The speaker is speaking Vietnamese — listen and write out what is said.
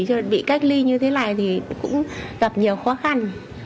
cho nên bị cách ly như thế này thì cũng gặp nhiều khó khăn